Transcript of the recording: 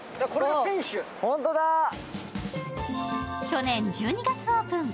去年１２月オープン。